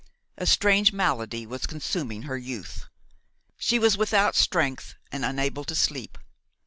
A strange malady was consuming her youth. She was without strength and unable to sleep.